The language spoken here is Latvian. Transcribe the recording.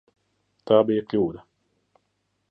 Tā bija kļūda.